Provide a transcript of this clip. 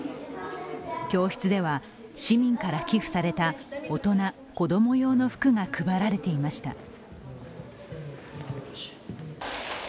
教室では市民から寄付された大人、子供用の服が配られていました。